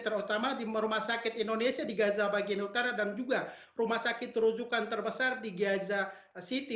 terutama di rumah sakit indonesia di gaza bagian utara dan juga rumah sakit terujukan terbesar di gaza city